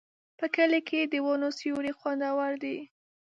په کلي کې د ونو سیوري خوندور دي.